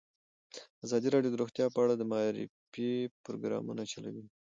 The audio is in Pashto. ازادي راډیو د روغتیا په اړه د معارفې پروګرامونه چلولي.